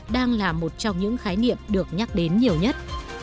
đang là một trong những khái niệm được nhắc đến nhiều nhất